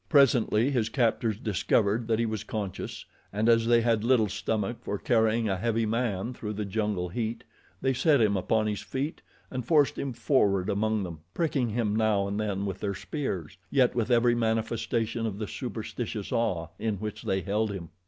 Presently his captors discovered that he was conscious, and as they had little stomach for carrying a heavy man through the jungle heat, they set him upon his feet and forced him forward among them, pricking him now and then with their spears, yet with every manifestation of the superstitious awe in which they held him.